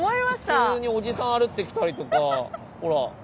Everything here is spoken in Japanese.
普通におじさん歩いてきたりとかほら。